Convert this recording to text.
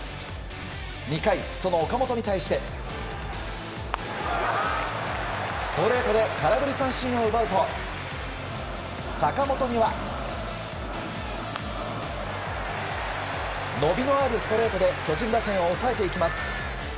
２回、その岡本に対してストレートで空振り三振を奪うと坂本には伸びのあるストレートで巨人打線を抑えていきます。